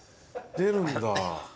出るんだ。